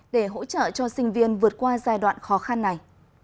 để hỗ trợ cho sinh viên vượt qua giai đoạn khó khăn này